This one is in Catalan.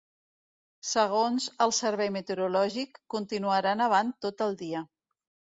Segons el servei meteorològic, continuarà nevant tot el dia.